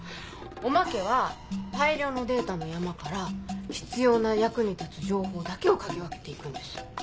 おまけは大量のデータの山から必要な役に立つ情報だけを嗅ぎ分けて行くんです。